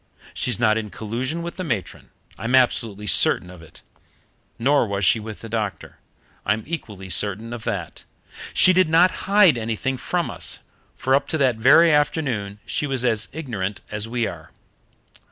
She's not in collusion with the matron. I'm absolutely certain of it. Nor was she with the doctor. I'm equally certain of that. She did not hide anything from us, for up to that very afternoon she was as ignorant as we are.